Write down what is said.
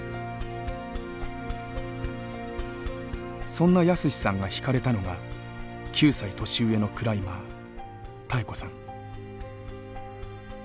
そんな泰史さんが引かれたのが９歳年上のクライマー妙子さん。